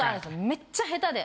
めっちゃ下手で。